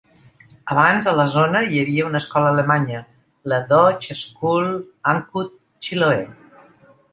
Abans a la zona hi havia una escola alemanya, la Deutsche Schule Ancud-Chiloe.